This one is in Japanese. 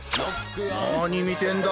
何見てんだ？